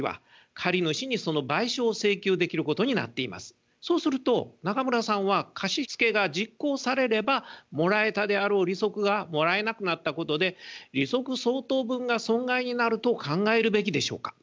ただしそうすると中村さんは貸し付けが実行されればもらえたであろう利息がもらえなくなったことで利息相当分が損害になると考えるべきでしょうか。